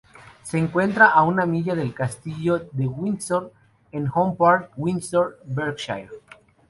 Se encuentra a una milla del castillo de Windsor en Home Park, Windsor, Berkshire.